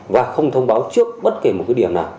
và không thông báo trước bất kỳ một cái điểm nào